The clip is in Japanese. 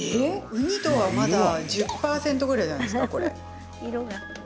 ウニ度はまだ１０％ぐらいじゃないですか、これ。